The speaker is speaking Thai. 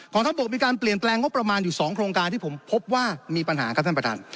ทัพบกมีการเปลี่ยนแปลงงบประมาณอยู่๒โครงการที่ผมพบว่ามีปัญหาครับท่านประธาน